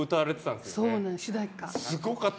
すごかった。